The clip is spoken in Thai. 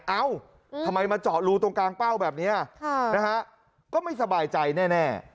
เอ้าทำไมมาเจาะรูตรงกลางเป้าแบบนี้นะฮะก็ไม่สบายใจแน่